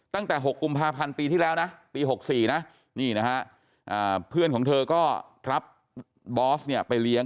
ตั้งแต่๖กุมภาพันธ์ปีที่แล้วนะปี๖๔นะนี่นะฮะเพื่อนของเธอก็รับบอสเนี่ยไปเลี้ยง